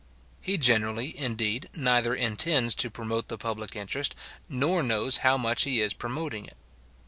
He generally, indeed, neither intends to promote the public interest, nor knows how much he is promoting it.